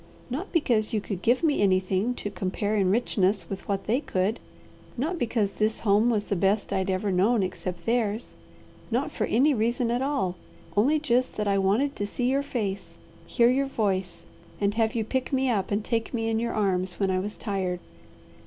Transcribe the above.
Not because you could give me anything to compare in richness with what they could, not because this home was the best I'd ever known except theirs, not for any reason at all only just that I wanted to see your face, hear your voice, and have you pick me up and take me in your arms when I was tired.